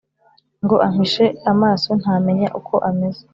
Ngo ampishe amaso ntamenya uko ameze.